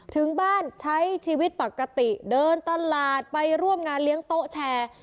ถึงบ้านใช้ชีวิตปกติเดินตลาดไปร่วมงานเลี้ยงโต๊ะแชร์